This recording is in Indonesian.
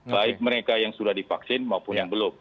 baik mereka yang sudah divaksin maupun yang belum